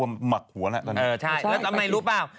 อุ่มหมักหัวแล้วแล้วทำไมรู้ป่าว